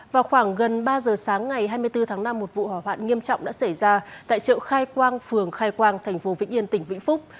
vào khoảng gần ba giờ sáng ngày hai mươi bốn tháng năm một vụ hỏa hoạn nghiêm trọng đã xảy ra tại chợ khai quang phường khai quang thành phố vĩnh yên tỉnh vĩnh phúc